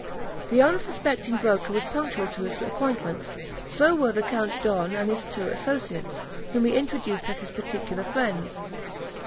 The unsuspecting broker was punctual to his appointment; so were the Count d'Horn and his two associates, whom he introduced as his particular friends.